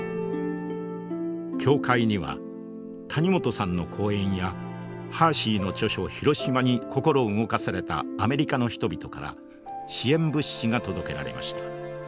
教会には谷本さんの講演やハーシーの著書「ヒロシマ」に心動かされたアメリカの人々から支援物資が届けられました。